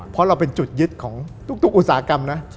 เพราะเราเป็นจุดยึดของทุกอุตสาหกรรมนะ